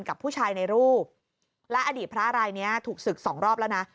กับผู้ชายในรูปและอดีตพระรายนี้ถูกศึกสองรอบแล้วนะ